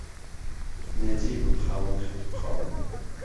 نهجیبم خاوهن خهتوخاڵ